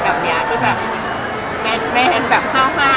ที่แบบแมนเข้าอะไรอย่างเงี้ยค่ะ